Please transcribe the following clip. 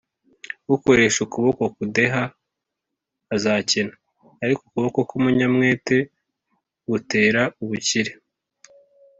ukoresha ukuboko kudeha azakena, ariko ukuboko k’umunyamwete gutera ubukire